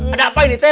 ada apa ini teh